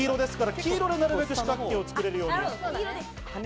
黄色でなるべく四角形をつくれるように。